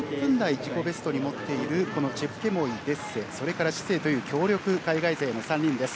自己ベストに持っているこのチェプケモイ、デッセそれからシセイという強力海外勢の３人です。